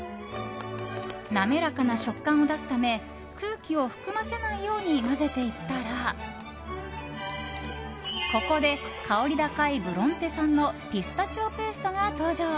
滑らかな食感を出すため空気を含ませないように混ぜていったらここで、香り高いブロンテ産のピスタチオペーストが登場。